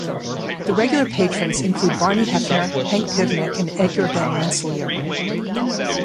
The regular patrons include Barney Hefner, Hank Pivnik, and Edgar Van Ranseleer.